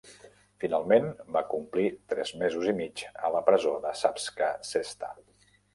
Finalment va complir tres mesos i mig a la presó Savska Cesta.